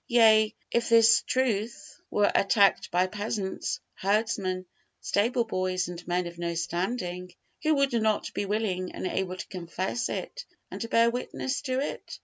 Yea, if this truth were attacked by peasants, herdsmen, stable boys and men of no standing, who would not be willing and able to confess it and to bear witness to it?